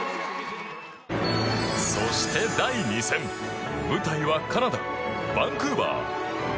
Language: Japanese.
そして第２戦舞台はカナダ・バンクーバー。